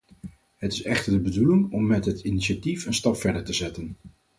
Het is echter de bedoeling om met het initiatief een stap verder te zetten.